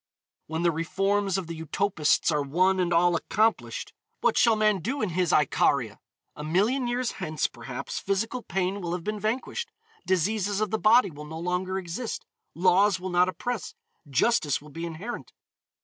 When the reforms of the utopists are one and all accomplished, what shall man do in his Icaria? A million years hence, perhaps, physical pain will have been vanquished. Diseases of the body will no longer exist. Laws will not oppress. Justice will be inherent.